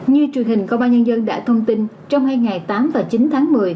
như truyền hình công an nhân dân đã thông tin trong hai ngày tám và chín tháng một mươi